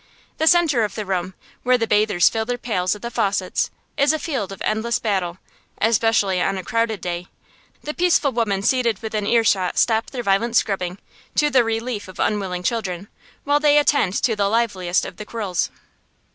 The centre of the room, where the bathers fill their pails at the faucets, is a field of endless battle, especially on a crowded day. The peaceful women seated within earshot stop their violent scrubbing, to the relief of unwilling children, while they attend to the liveliest of the quarrels.